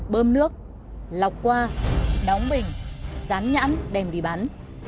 bơm nước lọc qua đóng bình dán nhãn đem đi bán